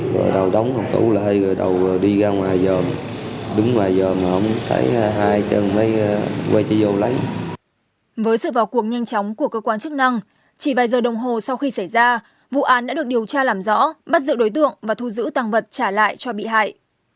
với sự vào cuộc nhanh chóng của cơ quan chức năng chỉ vài giờ đồng hồ sau khi xảy ra vụ án đã được điều tra làm rõ bắt giữ đối tượng và thu giữ tàng vật trả lại cho bị hại